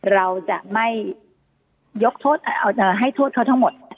เราจะไม่ยกโทษให้โทษเขาทั้งหมด